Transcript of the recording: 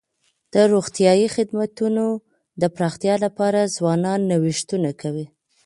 د روغتیايي خدمتونو د پراختیا لپاره ځوانان نوښتونه کوي.